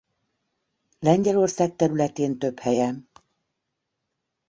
Lengyelország területén több helyen.